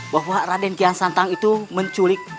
bahwa raden kian santang itu menculik